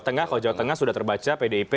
tengah kalau jawa tengah sudah terbaca pdip